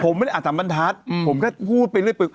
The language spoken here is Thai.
ผมไม่ได้อาจสามบรรทัศน์ผมแค่พูดไปเรื่อย